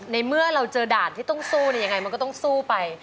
ในเมื่อเราเจอด่านที่ต้องสู้ยังไงมันก็ต้องสู้ไป